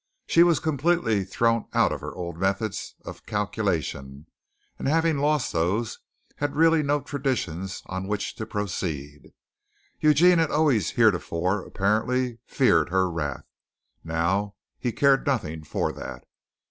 She was completely thrown out of her old methods of calculation, and having lost those had really no traditions on which to proceed. Eugene had always heretofore apparently feared her wrath; now he cared nothing for that.